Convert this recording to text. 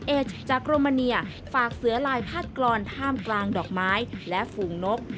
จากโรมาเนียฝากเสือลายพาดกรอนท่ามกลางดอกไม้และฝูงนก